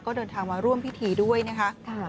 ก็เดินทางมาร่วมพิธีด้วยนะคะ